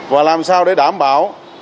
và làm sao để đảm bảo